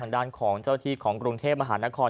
ด้านของเจ้าที่ของกรุงเทพมหานคร